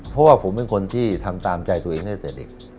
เพราะว่าผมเป็นคนที่ทำตามใจตัวเองตั้งแต่เด็ก